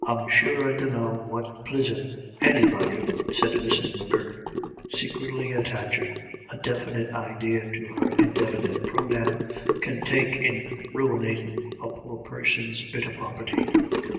u I'm sure I dunno what plisure Anybody," said Mrs. M'Gurk, secretly attaching a definite idea to her indefinite pronoun, "can take in ruinatin' a poor person's bit o' property.